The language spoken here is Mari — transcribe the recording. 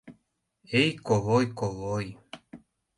— Эй, колой, колой!